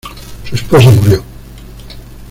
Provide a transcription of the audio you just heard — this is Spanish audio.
Su esposa murió.